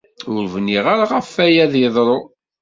Ur bniɣ ara ɣef waya ad d-yeḍru.